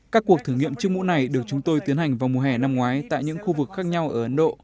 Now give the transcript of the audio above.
các cuộc thử nghiệm chiếc mũ này được chúng tôi tiến hành vào mùa hè năm ngoái tại những khu vực khác nhau ở ấn độ